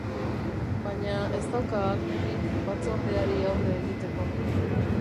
Baina ez dauka ahalmenik Batzordeari aurre egiteko.